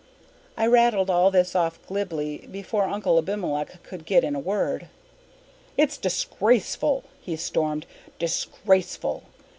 I rattled all this off glibly before Uncle Abimelech could get in a word. "It's disgraceful!" he stormed. "Disgraceful!